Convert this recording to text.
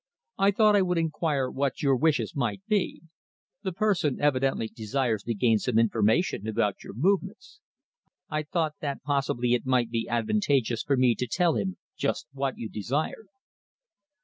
"I thought I would enquire what your wishes might be? The person evidently desires to gain some information about your movements. I thought that possibly it might be advantageous for me to tell him just what you desired."